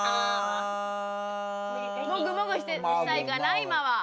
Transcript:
もぐもぐしたいかな今は。